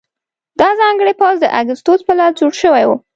دا ځانګړی پوځ د اګوستوس په لاس جوړ شوی و